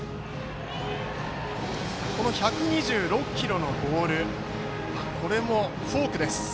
１２６キロのボールはフォークです。